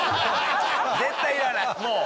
絶対いらないもう。